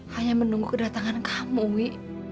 hanya menunggu kedatangan kamu mi